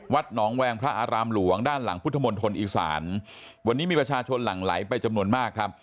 หนองแวงพระอารามหลวงด้านหลังพุทธมณฑลอีสานวันนี้มีประชาชนหลั่งไหลไปจำนวนมากครับ